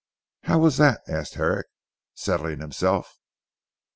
"How was that?" asked Herrick settling himself.